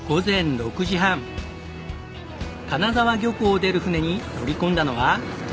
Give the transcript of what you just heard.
金沢漁港を出る船に乗り込んだのは。